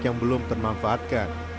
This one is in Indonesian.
yang belum termanfaatkan